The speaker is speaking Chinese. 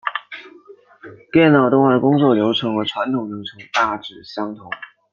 电脑动画的工作流程和传统流程大致相同。